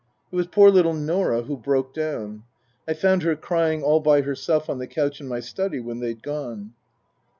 It was poor little Norah who broke down. I found her crying all by herself on the couch in my study when they'd gone.